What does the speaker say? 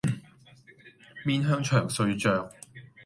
面向牆睡着